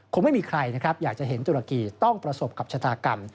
คงไม่มีใครนะครับอยากจะเห็นตุรกีต้องประสบกับชะตากรรม